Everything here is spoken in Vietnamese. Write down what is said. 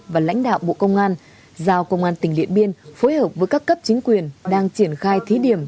và lãnh đạo bộ công an giao công an tỉnh điện biên phối hợp với các cấp chính quyền đang triển khai thí điểm